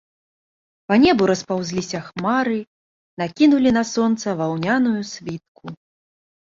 Па небу распаўзліся хмары, накінулі на сонца ваўняную світку.